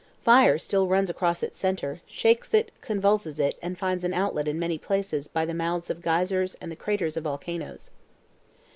Fire still runs across its center, shakes it, convulses it, and finds an outlet in many places by the mouths of geysers and the craters of volcanoes.